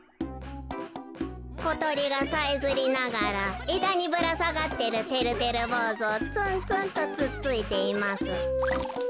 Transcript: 「ことりがさえずりながらえだにぶらさがってるてるてるぼうずをつんつんとつっついています」。